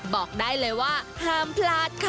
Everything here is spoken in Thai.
บอกได้เลยว่าห้ามพลาดค่ะ